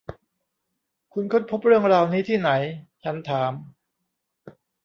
คุณค้นพบเรื่องราวนี้ที่ไหน ? ฉันถาม